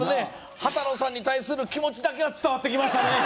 羽多野さんに対する気持ちだけは伝わってきましたね